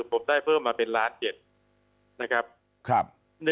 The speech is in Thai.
ผมได้เพิ่มมาเป็น๑๗๐๐๐๐๐บาทนะครับ